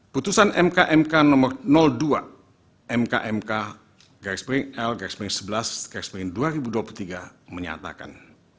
putusan mkmk nomor dua mkmk l sebelas dua ribu dua puluh tiga menyatakan